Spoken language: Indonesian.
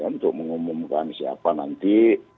untuk mengumumkan siapa nanti